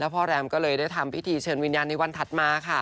พ่อแรมได้ทำพิธีเชิญวิญญาณในวันถัดมา